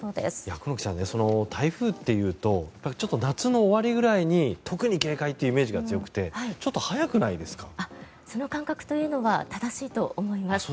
久能木さん、台風というと夏の終わりくらいに特に警戒というイメージが強くてその感覚は正しいと思います。